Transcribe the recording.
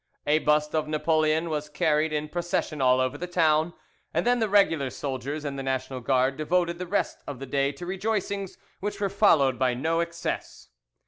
A bust of Napoleon was carried in procession all over the town, and then the regular soldiers and the National Guard devoted the rest of the day to rejoicings, which were followed by no excess.